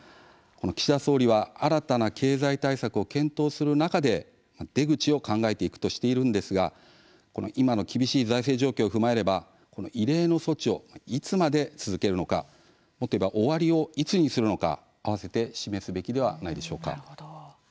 岸田総理は新たな経済対策を検討する中で出口を考えていくとしているんですけれども今の厳しい財政状況を踏まえれば異例の措置をいつまで続けるのかもっと言えば終わりをいつにするのか合わせて示すべきではないでしょうか。